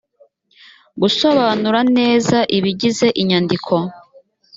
gusobanura neza ibigize inyandiko